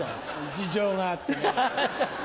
事情があってね。